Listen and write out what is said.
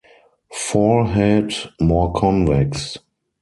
Forehead more convex.